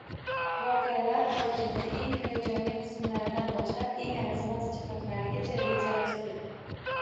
Voqealar rivojini eng hayajonli qismlaridan boshlab eng arzimas jihatlarigacha rejalashtiring